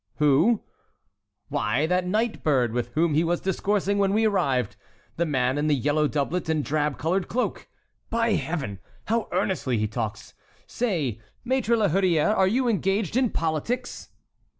"Who?" "Why, that night bird with whom he was discoursing when we arrived. The man in the yellow doublet and drab colored cloak. By Heaven! how earnestly he talks. Say, Maître La Hurière, are you engaged in politics?"